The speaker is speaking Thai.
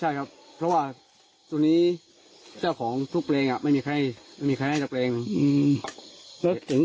ใช่ครับเพราะว่าตรงนี้เจ้าของทุกเลงไม่มีใครให้ทุกเลง